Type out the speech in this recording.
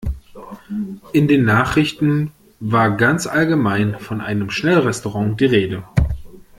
In den Nachrichten war ganz allgemein von einem Schnellrestaurant die Rede.